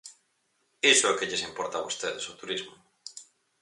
Iso é o que lles importa a vostedes o turismo.